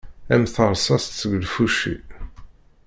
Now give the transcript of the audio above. Am terṣaṣt seg lfuci.